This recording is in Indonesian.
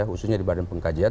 khususnya di badan pengkajian